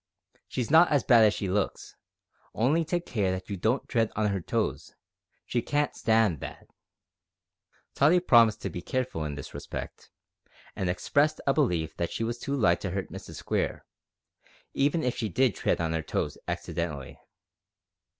She's not as bad as she looks; only take care that you don't tread on her toes; she can't stand that." Tottie promised to be careful in this respect, and expressed a belief that she was too light to hurt Mrs Square, even if she did tread on her toes accidentally.